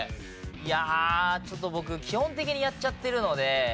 いやちょっと僕基本的にやっちゃってるので。